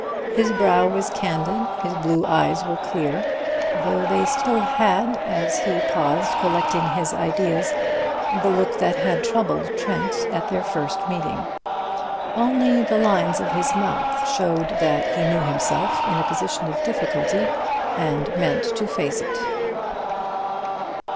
His brow was candid, his blue eyes were clear, though they still had, as he paused collecting his ideas, the look that had troubled Trent at their first meeting. Only the lines of his mouth showed that he knew himself in a position of difficulty, and meant to face it.